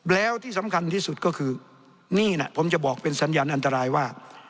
แล้วที่สำคัญที่สุดก็คือนี่นะผมจะบอกเป็นสัญญาณอันตรายว่า